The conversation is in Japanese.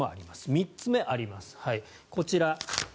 ３つ目あります、こちら。